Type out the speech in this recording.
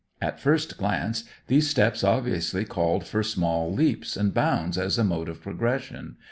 At first glance these steps obviously called for small leaps and bounds as a mode of progression.